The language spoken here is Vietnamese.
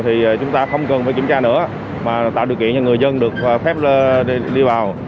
thì chúng ta không cần phải kiểm tra nữa mà tạo điều kiện cho người dân được phép đi vào